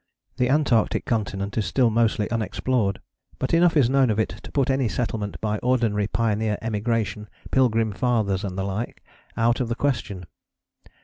The Antarctic continent is still mostly unexplored; but enough is known of it to put any settlement by ordinary pioneer emigration, pilgrim fathers and the like, out of the question.